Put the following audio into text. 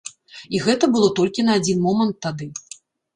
І гэта было толькі на адзін момант тады.